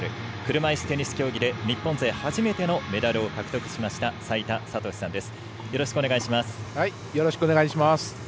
車いすテニス競技で日本勢初めてのメダルを獲得しました齋田悟司さんです。